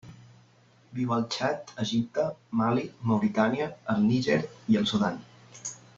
Viu al Txad, Egipte, Mali, Mauritània, el Níger i el Sudan.